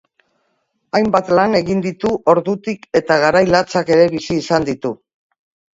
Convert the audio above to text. Hainbat lan egin ditu ordutik eta garai latzak ere bizi izan ditu.